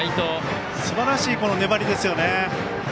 すばらしい粘りですよね。